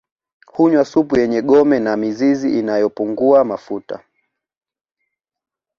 Hunywa supu yenye gome na mizizi inayopungua mafuta